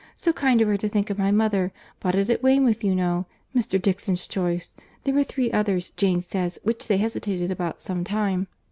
—So kind of her to think of my mother! Bought at Weymouth, you know—Mr. Dixon's choice. There were three others, Jane says, which they hesitated about some time.